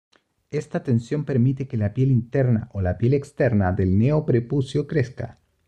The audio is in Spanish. Esta tensión permite que la piel interna o la piel externa del neo-prepucio crezca.